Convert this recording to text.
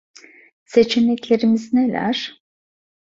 Seçeneklerimiz neler?